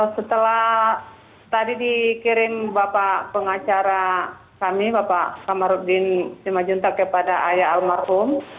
setelah tadi dikirim bapak pengacara kami bapak kamarudin simajuntak kepada ayah almarhum